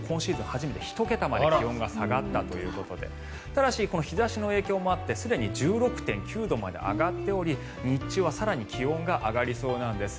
初めて１桁まで気温が下がったということでただし、日差しの影響もあってすでに１６．９度まで上がっており日中は更に気温が上がりそうなんです。